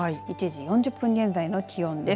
１時４０分現在の気温です。